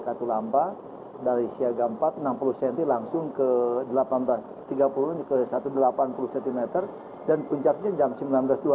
katulampak dari siaga empat puluh enam puluh senti langsung ke seribu delapan ratus tiga puluh dikeluarkan satu ratus delapan puluh cm dan puncaknya jam